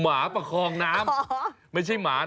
หมาประคองน้ำไม่ใช่หมา